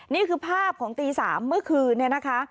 นี่คือภาพของตี๓เมื่อคืนเนี่ยนะคะ